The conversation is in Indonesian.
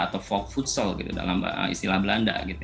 atau vogue food soul gitu dalam istilah belanda gitu ya